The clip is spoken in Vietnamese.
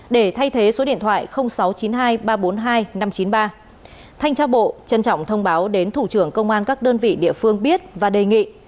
để thay thế số điện thoại sáu trăm chín mươi hai ba trăm bốn mươi hai năm trăm chín mươi ba thanh tra bộ trân trọng thông báo đến thủ trưởng công an các đơn vị địa phương biết và đề nghị